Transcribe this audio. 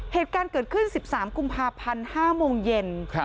เหตุการณ์เกิดขึ้น๑๓กุมภาพันธ์๕โมงเย็น